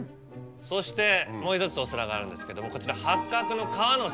そしてもう１つお皿があるんですけどもこちら。